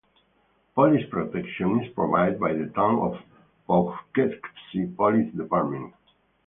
Police protection is provided by the Town of Poughkeepsie Police Department.